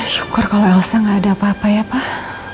syukur kalau ausa gak ada apa apa ya pak